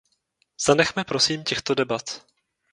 Zanechme prosím těchto debat.